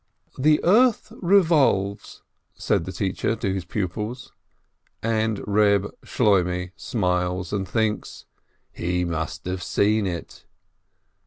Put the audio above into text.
"The earth revolves," said the teacher to his pupils, and Reb Shloimeh smiles, and thinks, "He must have seen it